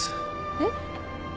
えっ？